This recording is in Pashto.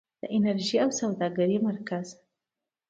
د انرژۍ او سوداګرۍ مرکز.